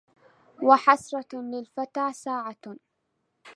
واحسرة للفتى ساعة